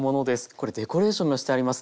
これデコレーションがしてあります。